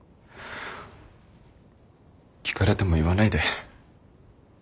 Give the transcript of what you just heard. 聞かれても言わないで。